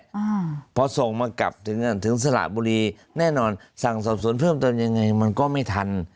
อ่าพอส่งมากลับถึงอ่าถึงสระบุรีแน่นอนสั่งสอบสวนเพิ่มเติมยังไงมันก็ไม่ทัน